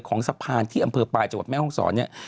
ของสะพานที่อำเภอปลายจังหวัดแม่ห้องศรเนี่ย